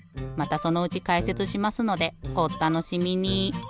またそのうちかいせつしますのでおったのしみに。